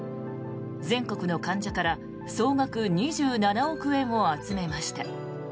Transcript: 全国の患者から総額２７億円を集めました。